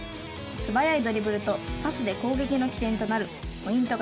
素早いドリブルとパスで攻撃の起点となるポイント